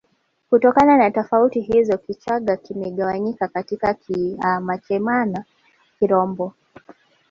Kutokana na tofauti hizo Kichagga kimegawanyika katika Kimachamena Kirombo